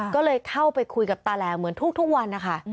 ก็เลยเข้าไปคุยกับตาแหลมเหมือนทุกวันนะคะ